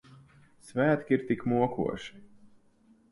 Svētki ir tik mokoši.